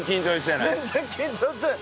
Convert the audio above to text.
全然緊張してない。